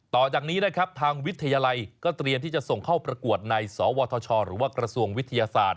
ต่อจากนี้นะครับทางวิทยาลัยก็เตรียมที่จะส่งเข้าประกวดในสวทชหรือว่ากระทรวงวิทยาศาสตร์